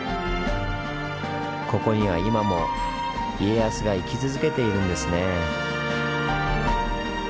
ここには今も家康が生き続けているんですねぇ。